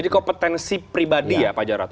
kompetensi pribadi ya pak jarad